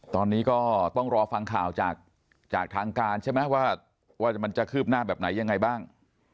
ตอนนี้ก็ต้องรอฟังข่าวจากทางการใช่ไหมว่ามันจะคืบหน้าแบบไหนยังไงบ้าง